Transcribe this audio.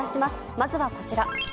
まずはこちら。